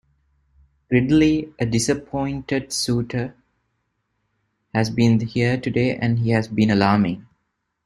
Gridley, a disappointed suitor, has been here today and has been alarming.